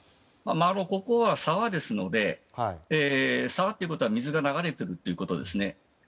ここは沢ですので沢ということは水が流れているということですね。